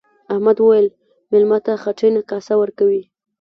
احمد وويل: مېلمه ته خټینه کاسه ورکوي.